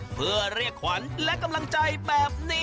เพื่อเรียกขวัญและกำลังใจแบบนี้